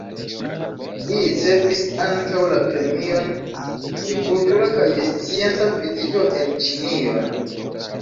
Li ricevis ankaŭ la Premion de Kultura kaj Scienca Vizito en Ĉinion.